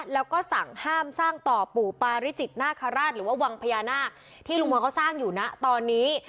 แล้วก็สั่งห้ามสร้างต่อปู่ปาริจิตนาคาราชหรือว่าวังพญานาคที่ลุงพลเขาสร้างอยู่นะตอนนี้